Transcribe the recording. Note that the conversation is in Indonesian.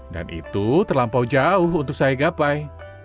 dan itu terlampau jauh untuk saya gapai